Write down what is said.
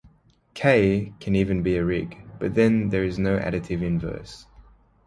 "K" can even be a rig, but then there is no additive inverse.